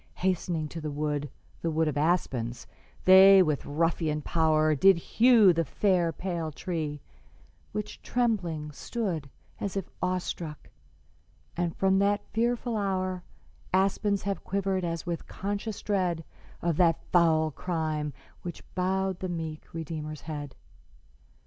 Hastening to the wood The wood of aspens they with ruffian power Did hew the fair, pale tree, which trembling stood As if awestruck; and from that fearful hour Aspens have quivered as with conscious dread Of that foul crime which bowed the meek Redeemer's head.